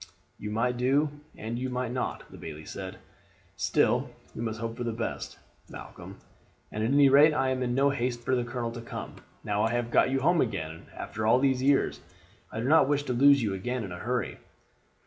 "You might do, and you might not," the bailie said. "Still, we must hope for the best, Malcolm. At any rate I am in no haste for the colonel to come. Now I have got you home again after all these years, I do not wish to lose you again in a hurry."